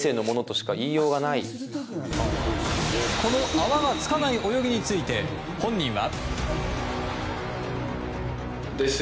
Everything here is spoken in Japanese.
泡がつかない泳ぎについて本人は。